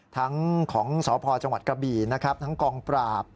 ทั้งของสอบพลังจังหวัดกระบีทั้งกองปราบ